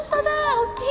大きい！